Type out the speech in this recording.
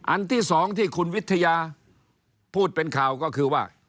อันที่สองที่คุณวิทยาพูดเป็นข่าวก็คือว่า